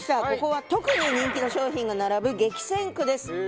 ここは特に人気の商品が並ぶ激戦区です。